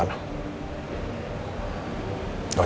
telepon sedang sibuk